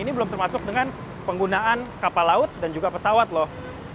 ini belum termasuk dengan penggunaan kapal laut dan juga pesawat loh